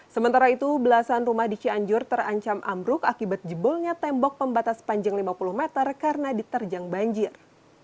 sementara itu belasan rumah di cianjur terancam ambruk akibat jebolnya tembok pembatas panjang lima puluh meter karena diterjang banjir